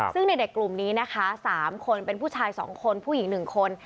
ซึ่งในเด็กกลุ่มนี้นะคะ๓คนเป็นผู้ชาย๒คนผู้หญิง๑คน